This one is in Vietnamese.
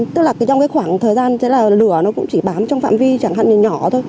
tức là trong cái khoảng thời gian lửa nó cũng chỉ bám trong phạm vi chẳng hạn như nhỏ thôi